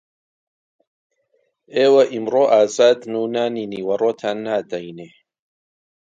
ئێوە ئەمڕۆ ئازادن و نانی نیوەڕۆتان نادەینێ